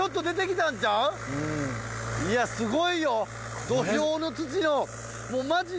いやすごいよ。